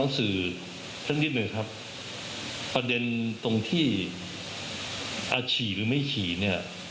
สื่อสักนิดหนึ่งครับประเด็นตรงที่อาฉี่หรือไม่ฉี่เนี่ย